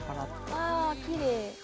あぁきれい。